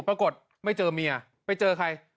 ปรากฏไม่เจอเมียไปเจอใคร